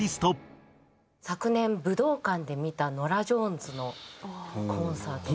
昨年武道館で見たノラ・ジョーンズのコンサートが。